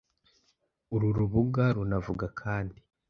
Uru rubuga runavuga kandi